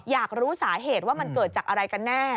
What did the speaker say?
อยากรู้สาเหตุว่ามันเกิดจากอะไรกันแน่